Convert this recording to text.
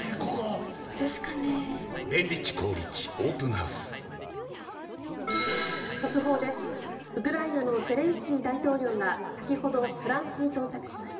ウクライナのゼレンスキー大統領が先ほどフランスに到着しました。